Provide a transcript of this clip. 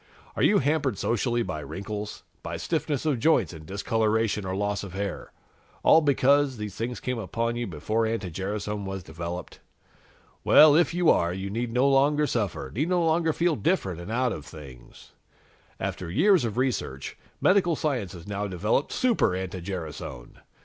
Are you hampered socially by wrinkles, by stiffness of joints and discoloration or loss of hair, all because these things came upon you before anti gerasone was developed? Well, if you are, you need no longer suffer, need no longer feel different and out of things. "After years of research, medical science has now developed Super anti gerasone!